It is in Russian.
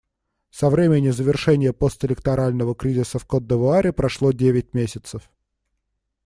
Со времени завершения постэлекторального кризиса в Котд'Ивуаре прошло девять месяцев.